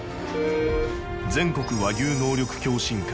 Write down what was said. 全国和牛能力共進会